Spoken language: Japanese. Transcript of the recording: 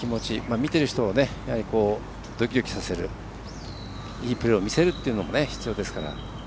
見ている人をドキドキさせるいいプレーをするのも大事ですから。